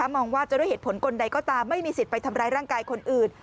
มองว่าจะด้วยเหตุผลคนใดก็ตามไม่มีสิทธิ์ไปทำร้ายร่างกายคนอื่น